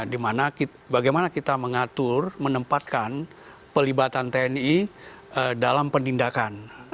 dimana bagaimana kita mengatur menempatkan pelibatan tni dalam penindakan